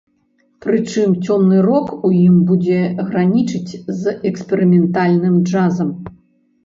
Прычым цёмны рок у ім будзе гранічыць з эксперыментальным джазам.